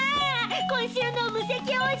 今週の「無籍王子」